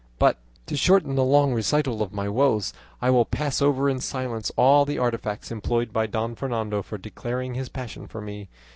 But to shorten the long recital of my woes, I will pass over in silence all the artifices employed by Don Fernando for declaring his passion for me.